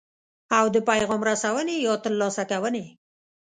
او د پیغام رسونې یا ترلاسه کوونې.